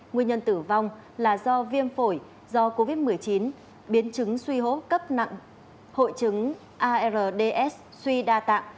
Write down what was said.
nguyên nhân tử vong là do viêm phổi do covid một mươi chín biến chứng suy hốp cấp nặng hội chứng ards suy đa tạng